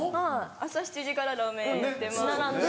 朝７時からラーメンやってます。